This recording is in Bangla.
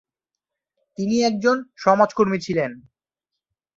তিনি একজন সমাজকর্মী ছিলেন।